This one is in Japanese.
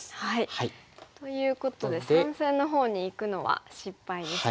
ということで三線のほうにいくのは失敗でしたね。